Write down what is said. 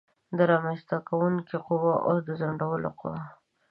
رامنځته کوونکې قوه او د ځنډولو قوه